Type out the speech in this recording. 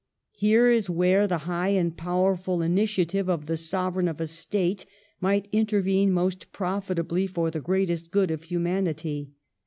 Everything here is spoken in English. ''Here is where the high and powerful initia tive of the Sovereign of a State might inter vene most profitably for the greatest good of humanity.